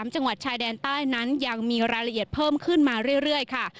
จังหวัดชายแดนใต้นั้นยังมีรายละเอียดเพิ่มขึ้นมาเรื่อยค่ะ